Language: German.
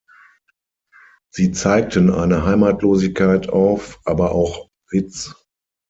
Sie zeigten eine Heimatlosigkeit auf, aber auch Witz.